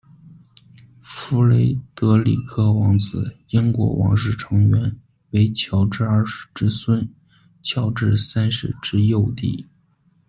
弗雷德里克王子，英国王室成员，为乔治二世之孙，乔治三世之幼弟。